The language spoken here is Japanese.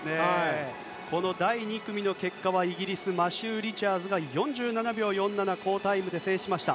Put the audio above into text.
この第２組の結果はイギリスマシュー・リチャーズが４７秒４７で好タイムで制しました。